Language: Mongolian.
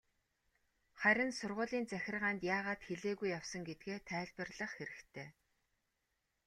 Харин сургуулийн захиргаанд яагаад хэлээгүй явсан гэдгээ тайлбарлах хэрэгтэй.